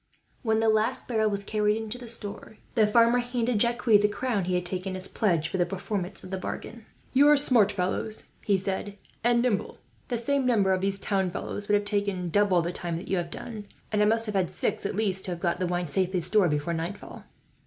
When the last barrel was carried into the store, the farmer handed Jacques the crown he had taken, as pledge for the performance of the bargain. "You are smart fellows," he said, "and nimble. The same number of these towns fellows would have taken double the time that you have done; and I must have had six, at least, to have got the wine safely stored before nightfall."